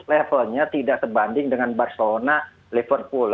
levelnya tidak sebanding dengan barcelona liverpool